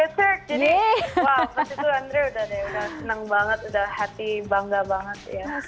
jadi wow pas itu andrea udah deh udah seneng banget udah happy bangga banget